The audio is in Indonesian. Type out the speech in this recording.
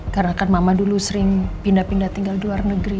karena kan mama dulu sering pindah pindah tinggal di luar negeri